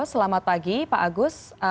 selamat pagi pak agus